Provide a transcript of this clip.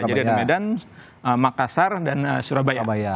jadi ada medan makassar dan surabaya